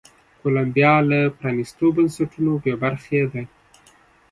کولمبیا له پرانیستو بنسټونو بې برخې ده.